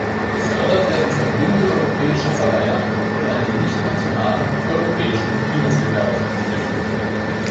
Gefördert werden Verbünde europäischer Verleiher, die einen nicht-nationalen europäischen Kinofilm herausbringen möchten.